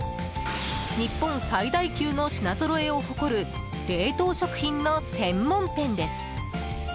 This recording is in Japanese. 日本最大級の品ぞろえを誇る冷凍食品の専門店です。